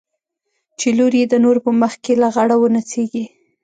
چې لور يې د نورو په مخ کښې لغړه ونڅېږي.